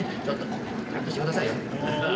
ちゃんとしてくださいよ。